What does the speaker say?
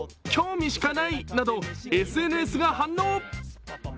興味しかないなどＳＮＳが反応。